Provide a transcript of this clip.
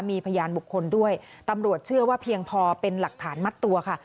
มีพยานบุคคลด้วยตำรวจเชื่อว่าเพียงพอเป็นหลักฐานมัดตัวค่ะ